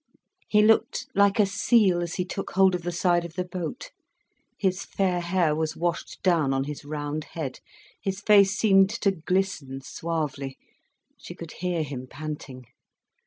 He looked like a seal as he took hold of the side of the boat. His fair hair was washed down on his round head, his face seemed to glisten suavely. She could hear him panting.